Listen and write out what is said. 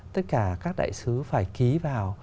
tất cả các đại sứ phải ký vào